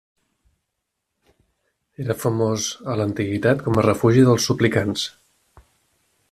Era famós a l'antiguitat com a refugi dels suplicants.